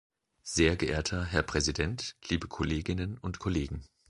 Sehr geehrter Herr Präsident, liebe Kolleginnen und Kollegen!